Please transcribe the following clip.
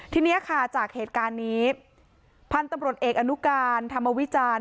ทีนี้ค่ะจากเหตุการณ์นี้พันธุ์ตำรวจเอกอนุการธรรมวิจารณ์